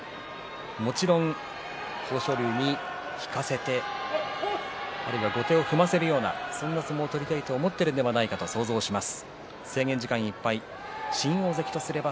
もちろん豊昇龍に引かせてあるいは後手を踏ませるようなそんな相撲を取りたいと思ってるんではないかと想像します。